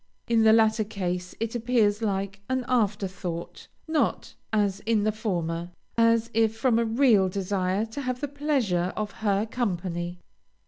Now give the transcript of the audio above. In the latter case it appears like an after thought, not, as in the former, as if from a real desire to have the pleasure of her company.